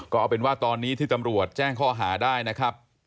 ก็เอาเป็นว่าตอนนี้ที่ตำรวจแจ้งข้อหาได้นะครับ